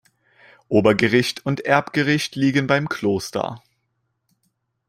Obergericht und Erbgericht liegen beim Kloster.